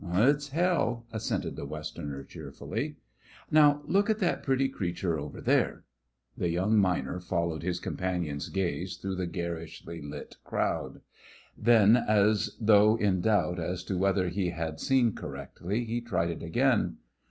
"It's hell!" assented the Westerner, cheerfully. "Now, look at that pretty creature over there " The young miner followed his companion's gaze through the garishly lit crowd. Then, as though in doubt as to whether he had seen correctly, he tried it again.